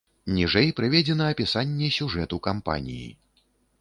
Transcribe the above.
Ніжэй прыведзена апісанне сюжэту кампаніі.